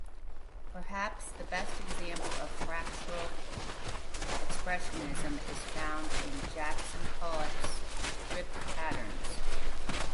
Perhaps the best example of fractal expressionism is found in Jackson Pollock's dripped patterns.